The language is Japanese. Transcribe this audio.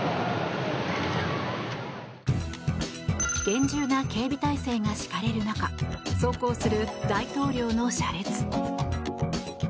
厳重な警備態勢が敷かれる中走行する大統領の車列。